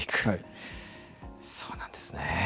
そうなんですね。